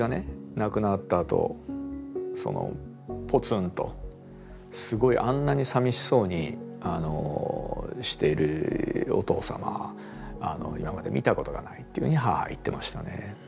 亡くなったあとポツンとすごいあんなにさみしそうにしているお父さんは今まで見たことがないっていうふうに母は言ってましたね。